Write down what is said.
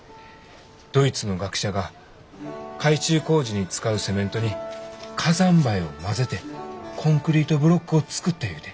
ドイツの学者が海中工事に使うセメントに火山灰を混ぜてコンクリートブロックを作ったゆうて。